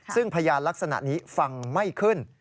ซึ่งพยานลักษณะนี้ฟังไม่ขึ้น